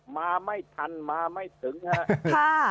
มาไม่ทันมาไม่ถึงครับ